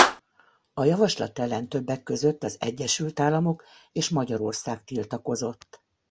A javaslat ellen többek között az Egyesült Államok és Magyarország tiltakozott.